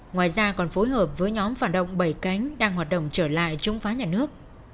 ngoài ra còn phối hợp với nhóm phản động bảy cánh đang hoạt động trở lại chống phá nhà nước